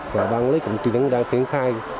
và hoàng lê cũng đang triển khai